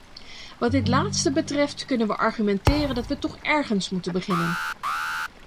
Wat dit laatste betreft, kunnen we argumenteren dat we toch ergens moeten beginnen.